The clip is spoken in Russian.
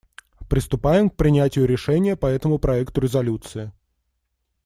Приступаем к принятию решения по этому проекту резолюции.